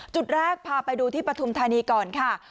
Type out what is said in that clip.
จุดแรกพาไปดูที่ปฐุมธานีก่อนค่ะ